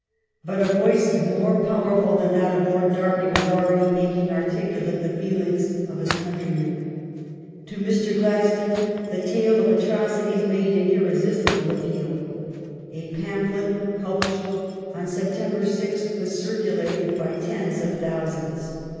Mr. Glad But a voice more powerful than that of Lord Derby was already stone's makinff articulate the feelings of his countrymen. To Mr. Glad pamphlet 1 1 />••... stone the tale of atrocities made an irresistible appeal. A pamphlet, published on September 6th, was circulated by tens of thousands.